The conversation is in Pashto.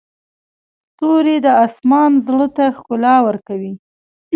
ستوري د اسمان زړه ته ښکلا ورکوي.